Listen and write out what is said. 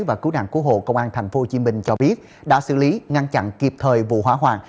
và cứu nạn cứu hộ công an tp hcm cho biết đã xử lý ngăn chặn kịp thời vụ hỏa hoạn